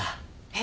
え？